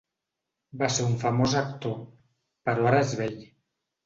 Va ser un famós actor, però ara és vell.